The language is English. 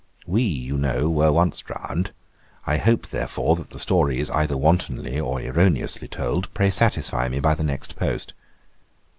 We, you know, were once drowned; I hope, therefore, that the story is either wantonly or erroneously told. Pray satisfy me by the next post.